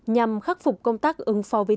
nhằm khắc phục công tác ứng phó với tài sản